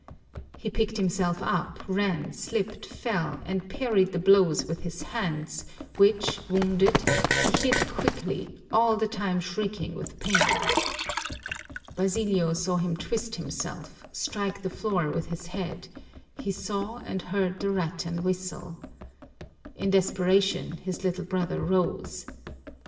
He picked himself up, ran, slipped, fell, and parried the blows with his hands, which, wounded, he hid quickly, all the time shrieking with pain. Basilio saw him twist himself, strike the floor with his head, he saw and heard the rattan whistle. In desperation his little brother rose.